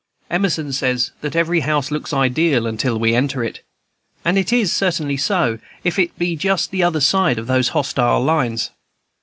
Emerson says that every house looks ideal until we enter it, and it is certainly so, if it be just the other side of the hostile lines.